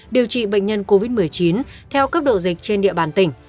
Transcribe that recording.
điều trị bệnh nhân covid một mươi chín theo cấp độ dịch trên địa bàn tỉnh